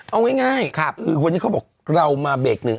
เอาง่ายคือวันนี้เขาบอกเรามาเบรกหนึ่ง